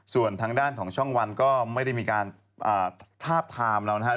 ส่วนทางด้านของช่องวันก็ไม่ได้มีการทาบทามเรานะครับ